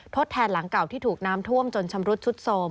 แทนหลังเก่าที่ถูกน้ำท่วมจนชำรุดชุดโทรม